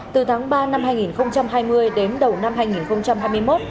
từ tháng ba năm hai nghìn hai mươi đến đầu năm hai nghìn hai mươi một